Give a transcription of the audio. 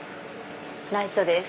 内緒です。